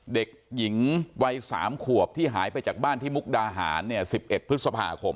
เด็กหญิงวัย๓ขวบที่หายไปจากบ้านที่มุกดาหาร๑๑พฤษภาคม